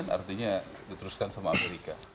artinya diteruskan sama amerika